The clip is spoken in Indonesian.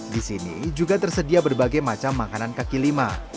di sini juga tersedia berbagai macam makanan kaki lima